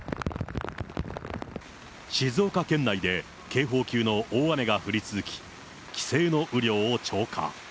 静岡県内で警報級の大雨が降り続き、規制の雨量を超過。